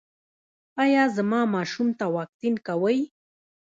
ایا زما ماشوم ته واکسین کوئ؟